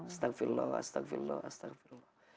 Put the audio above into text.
astagfirullah astagfirullah astagfirullah